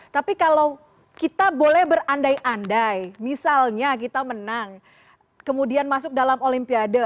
tapi kalau kita boleh berandai andai misalnya kita menang kemudian masuk dalam olimpiade